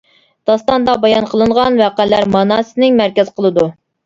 داستاندا بايان قىلىنغان ۋەقەلەر ماناسنى مەركەز قىلىدۇ.